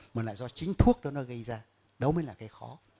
mà lại do chính thuốc đó nó gây ra đâu mới là cái khó